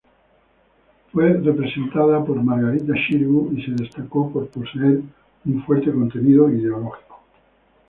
Fue representada por Margarita Xirgu, y se destacó por poseer un fuerte contenido ideológico.